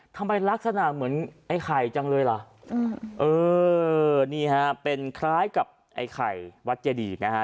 ทำไมลักษณะเหมือนไอ้ไข่จังเลยล่ะเออนี่ฮะเป็นคล้ายกับไอ้ไข่วัดเจดีนะฮะ